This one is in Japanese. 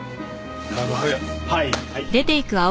はいはい。